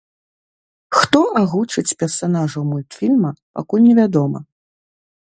Хто агучыць персанажаў мультфільма, пакуль не вядома.